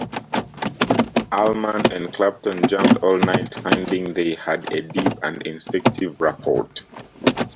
Allman and Clapton jammed all night, finding they had a deep and instinctive rapport.